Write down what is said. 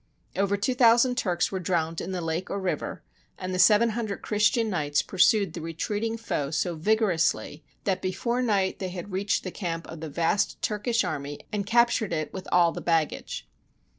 Over two thousand Turks were drowned in the lake or river, and the seven hundred Christian knights pursued the retreating foe so vigorously that be fore night they had reached the camp of the vast Turkish army and captured it with all the baggage.